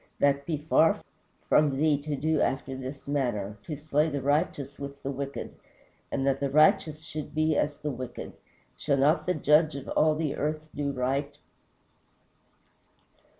that be far from thee to do after this manner, to slay the righteous with the wicked: and that the righteous should be as the wicked. Shall not the Judge of all the earth do right?"